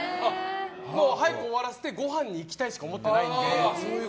もう早く終わらせてごはん行きたいしか思ってないので。